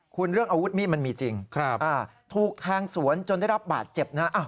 คุณเรื่องอาวุธมีดมันมีจริงถูกแทงสวนจนได้รับบาดเจ็บนะ